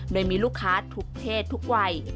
โดยมีลูกค้าทุกเพศทุกวัย